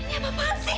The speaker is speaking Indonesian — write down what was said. ini apaan sih